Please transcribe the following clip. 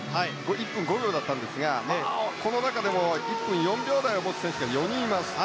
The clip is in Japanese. １分５秒だったんですがこの中でも１分４秒台を持つ選手が４人います。